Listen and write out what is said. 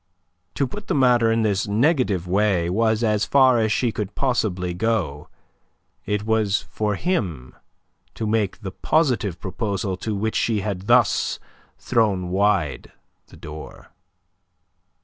To put the matter in this negative way was as far as she could possibly go. It was for him to make the positive proposal to which she had thus thrown wide the door.